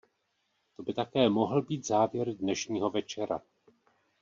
To by také mohl být závěr dnešního večera.